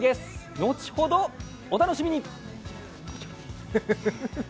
後ほどお楽しみに。